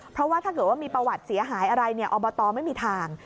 เพราะว่าถ้าเกิดว่ามีประวัติเสียหายอะไรอบตไม่มีทาง